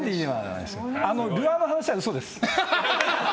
ルアーの話は嘘です。